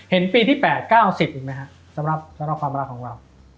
เห็นปีที่๘๙๐อีกไหมครับสำหรับสำหรับความรักของเรา